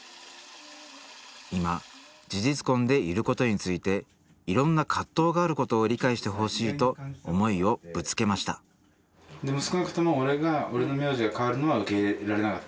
今事実婚でいることについていろんな葛藤があることを理解してほしいと思いをぶつけました少なくとも俺が俺の名字が変わるのは受け入れられなかった？